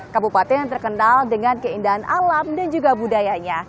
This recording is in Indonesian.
kabupaten yang terkenal dengan keindahan alam dan juga budayanya